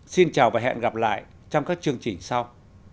xin chào và hẹn gặp lại trong các chương trình sau